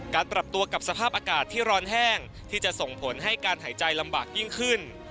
ปรับตัวกับสภาพอากาศที่ร้อนแห้งที่จะส่งผลให้การหายใจลำบากยิ่งขึ้น